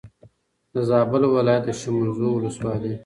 د زابل ولایت د شملزو ولسوالي